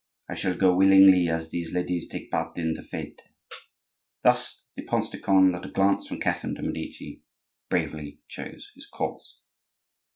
I shall go willingly, as these ladies take part in the fete." Thus the Prince de Conde, at a glance from Catherine de' Medici, bravely chose his course.